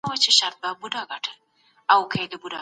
مدافعينو له کلونو راهيسي د بشري حقوقو دفاع کوله.